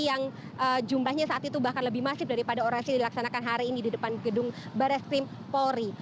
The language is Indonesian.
yang jumlahnya saat itu bahkan lebih masif daripada orasi yang dilaksanakan hari ini di depan gedung baris krim polri